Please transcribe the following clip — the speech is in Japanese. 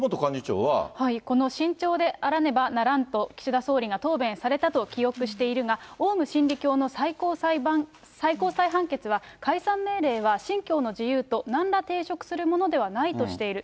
この慎重であらねばならんと、岸田総理が答弁されたと記憶しているが、オウム真理教の最高裁判決は解散命令は信教の自由となんら抵触するものではないとしている。